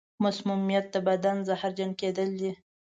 مسمومیت د بدن زهرجن کېدل دي.